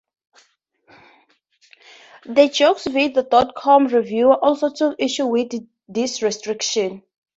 The "JeuxVideo dot com" reviewer also took issue with this restriction.